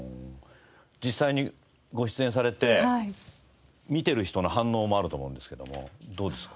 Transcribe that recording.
実際にご出演されて見ている人の反応もあると思うんですけどもどうですか？